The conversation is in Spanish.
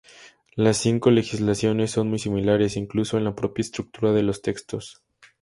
Las cinco legislaciones son muy similares, incluso en la propia estructura de los textos.